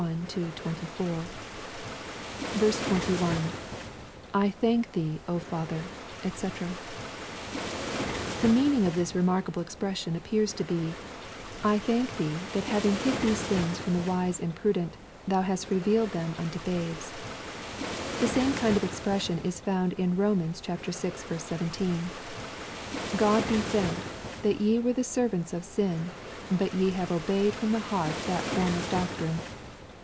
21 .— [lihanJe ihee^ Father , &c^ The meaning of this lemarkable expression appears to be, "I thank thee, that, having hid these things from the wise and prudent, thou hast revealed them unto babes." The same kind of expression is found in Eom. vi 17. " Grod be thanked, that ye were the servants of sin, but ye have . obeyed from the heart that form of doctrine."